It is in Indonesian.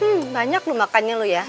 hmm banyak lu makannya lu ya